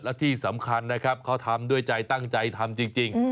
และที่สำคัญนะครับเขาทำด้วยใจตั้งใจทำจริง